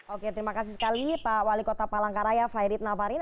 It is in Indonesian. oke terima kasih sekali pak wali kota palangkaraya fairid navarin